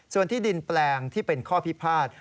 ส่วนที่ดินแปลงที่เป็นข้อพิพาท